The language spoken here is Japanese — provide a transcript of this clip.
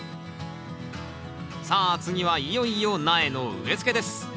さあ次はいよいよ苗の植えつけです